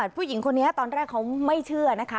ผู้หญิงคนนี้ตอนแรกเขาไม่เชื่อนะคะ